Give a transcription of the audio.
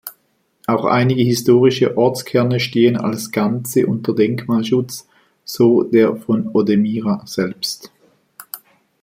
Auch einige historische Ortskerne stehen als Ganze unter Denkmalschutz, so der von Odemira selbst.